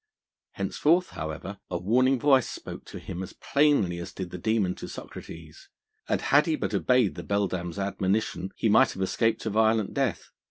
Henceforth, however, a warning voice spoke to him as plainly as did the demon to Socrates; and had he but obeyed the beldame's admonition, he might have escaped a violent death.